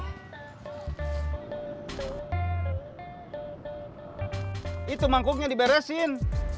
tunggu mangkuknya diberesin